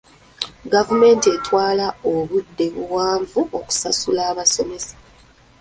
Gavumenti etwala obudde buwanvu okusasula abasomesa.